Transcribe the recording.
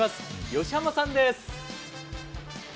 吉濱さんです。